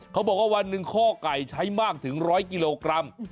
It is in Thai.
เขาบอกว่าวันหนึ่งข้อไก่ใช้มากถึง๑๐๐กิโลกรัม